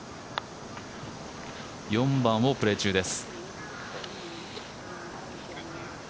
４番をプレー中です。